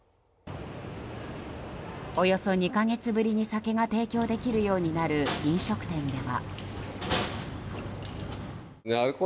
およそ２か月ぶりに酒が提供できるようになる飲食店では。